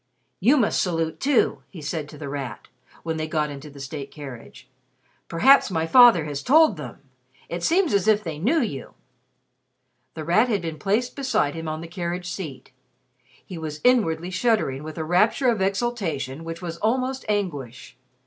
"You must salute, too," he said to The Rat, when they got into the state carriage. "Perhaps my father has told them. It seems as if they knew you." The Rat had been placed beside him on the carriage seat. He was inwardly shuddering with a rapture of exultation which was almost anguish.